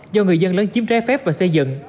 do người dân lớn chiếm trái phép và xây dựng